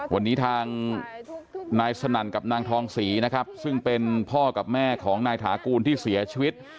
วันนี้ทางนายสนั่นกับนางทองศรีนะครับซึ่งเป็นพ่อกับแม่ของนายถากูลที่เสียชีวิต